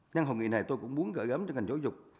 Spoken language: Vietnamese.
nhân hội nghị này tôi cũng muốn gợi ấm cho ngành giáo dục